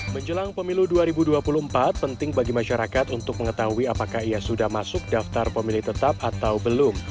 menjelang pemilu dua ribu dua puluh empat penting bagi masyarakat untuk mengetahui apakah ia sudah masuk daftar pemilih tetap atau belum